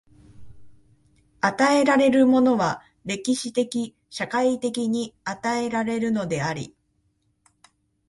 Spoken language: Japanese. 与えられるものは歴史的・社会的に与えられるのであり、